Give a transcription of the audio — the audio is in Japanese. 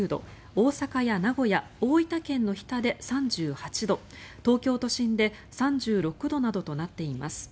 大阪や名古屋大分県の日田で３８度東京都心で３６度などとなっています。